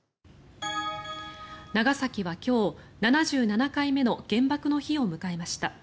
長崎は今日７７回目の原爆の日を迎えました。